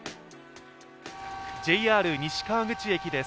ＪＲ西川口駅です。